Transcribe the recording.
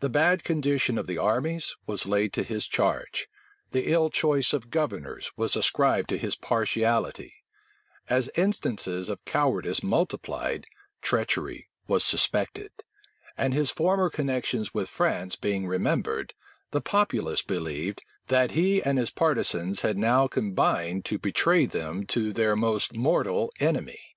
The bad condition of the armies was laid to his charge: the ill choice of governors was ascribed to his partiality: as instances of cowardice multiplied, treachery was suspected; and his former connections with France being remembered, the populace believed, that he and his partisans had now combined to betray them to their most mortal enemy.